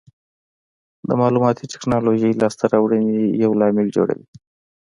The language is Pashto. د معلوماتي ټکنالوژۍ لاسته راوړنې یو لامل جوړوي.